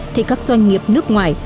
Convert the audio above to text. thì các doanh nghiệp nước ngoài